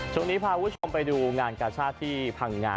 ช่วงนี้พาคุณผู้ชมไปดูงานกาชาติที่พังงา